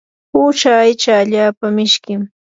uusha aycha allaapa mishkim.